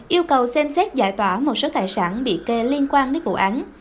yêu cầu xem xét giải tỏa một số tài sản bị kê liên quan đến vụ án